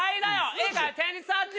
いいかい？